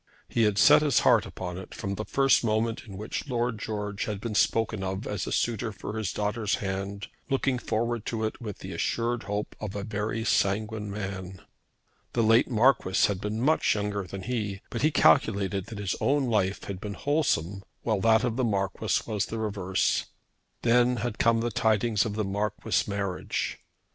He had set his heart upon it from the first moment in which Lord George had been spoken of as a suitor for his daughter's hand, looking forward to it with the assured hope of a very sanguine man. The late Marquis had been much younger than he, but he calculated that his own life had been wholesome while that of the Marquis was the reverse. Then had come the tidings of the Marquis' marriage.